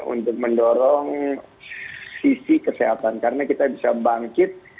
untuk mendorong sisi kesehatan karena kita bisa bangkit